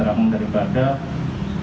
adalah keterangan daripada proses ini